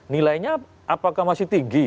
nilainya apakah masih tinggi